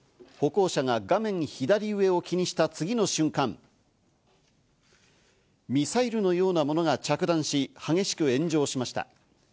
歩行者が画面左上を気にした次の瞬間、ミサイルのようなものが着弾し、激しく炎上しました。